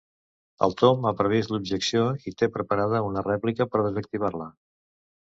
El Tom ha previst l'objecció i té preparada una rèplica per desactivar-la.